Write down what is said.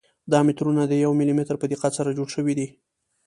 دا مترونه د یو ملي متر په دقت سره جوړ شوي دي.